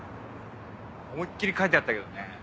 思いっ切り書いてあったけどね。